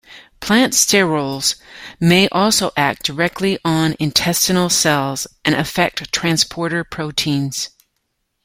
Plant sterols may also act directly on intestinal cells and affect transporter proteins.